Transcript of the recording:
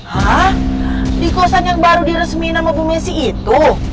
hah di kosan yang baru diresmiin sama bu messi itu